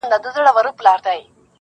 نه به واخلي تر قیامته عبرتونه -